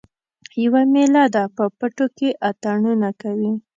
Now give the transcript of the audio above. یوه میله ده په پټو کې اتڼونه کوي